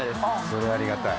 それありがたい。